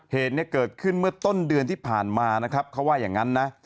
เหตุเนี่ยเกิดขึ้นเมื่อต้นเดือนที่ผ่านมานะครับเขาว่าอย่างนั้นนะ